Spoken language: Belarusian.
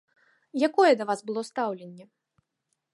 Якое да вас было стаўленне?